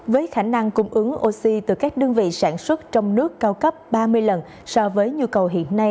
với khả năng cung ứng oxy từ các đơn vị sản xuất trong nước cao cấp ba mươi lần so với nhu cầu hiện nay